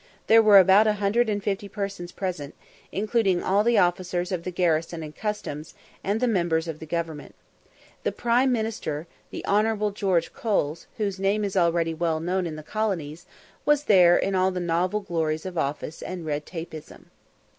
There were about a hundred and fifty persons present, including all the officers of the garrison and customs, and the members of the government. The "prime minister," the Hon. George Coles, whose name is already well known in the colonies, was there in all the novel glories of office and "red tapeism."